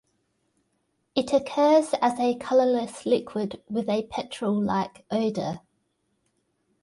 It occurs as a colorless liquid with a petrol-like odor.